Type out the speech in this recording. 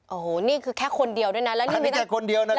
โอ้โหนี่คือแค่คนเดียวด้วยนะแล้วนี่ไม่ได้คนเดียวนะครับ